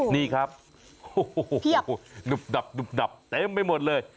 นี่ครับโอ้โหหนุบดับเต็มไปหมดเลย